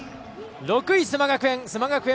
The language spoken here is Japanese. ６位、須磨学園。